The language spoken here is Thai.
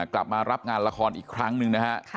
กลับมารับงานละครอีกครั้งหนึ่งนะฮะ